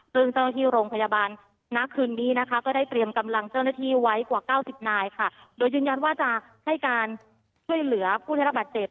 ซึ่งเจ้าหน้าที่โรงพยาบาลณคืนนี้นะคะก็ได้เตรียมกำลังเจ้าหน้าที่ไว้กว่าเก้าสิบนายค่ะโดยยืนยันว่าจะให้การช่วยเหลือผู้ได้รับบาดเจ็บ